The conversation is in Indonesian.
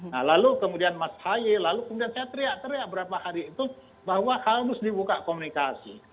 nah lalu kemudian mas haye lalu kemudian saya teriak teriak berapa hari itu bahwa harus dibuka komunikasi